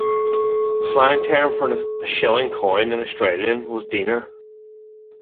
The slang term for a shilling coin in Australia was "deener".